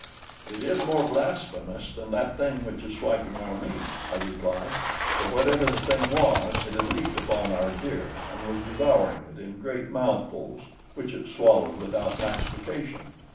"It is no more blasphemous than that thing which is swiping our meat," I replied, for whatever the thing was, it had leaped upon our deer and was devouring it in great mouthfuls which it swallowed without mastication.